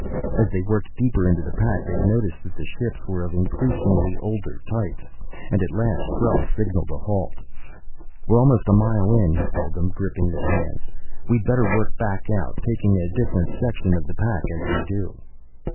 As they worked deeper into the pack, they noticed that the ships were of increasingly older types, and at last Krell signalled a halt. "We're almost a mile in," he told them, gripping their hands. "We'd better work back out, taking a different section of the pack as we do."